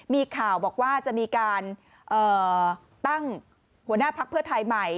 มีข่าวบอกว่าจะมีการตั้งหัวหน้าพักเพื่อไทยใหม่